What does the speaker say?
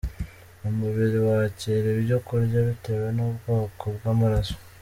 Umubiri wakira ibyo kurya bitewe n’ubwoko bw’amaraso